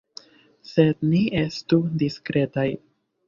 Sed ni estu diskretaj.